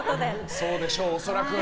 そうでしょう、恐らく。